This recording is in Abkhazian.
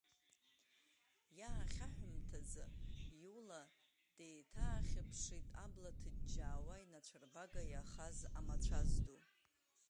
Иаахьаҳәымҭаз Иула деиҭаахьыԥшит абла ҭыџьџьаауа инацәарбага иахаз амацәаз ду.